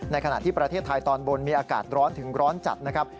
ขณะที่ประเทศไทยตอนบนมีอากาศร้อนถึงร้อนจัดนะครับ